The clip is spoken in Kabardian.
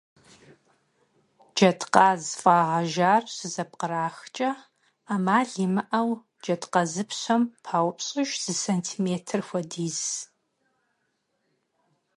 Джэдкъаз фӀагъэжар щызэпкърахкӀэ Ӏэмал имыӀэу джэдкъазыпщэм паупщӀыж зы сантиметр хуэдиз.